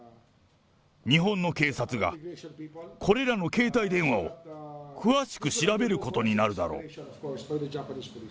日本の警察がこれらの携帯電話を詳しく調べることになるだろう。